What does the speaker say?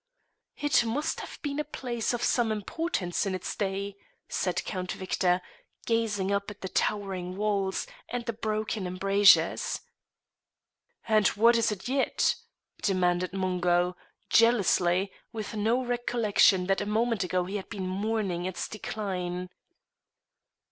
"It must have been a place of some importance in its day," said Count Victor, gazing up at the towering walls and the broken embrasures. "And what is't yet?" demanded Mungo, jealously, with no recollection that a moment ago he had been mourning its decline.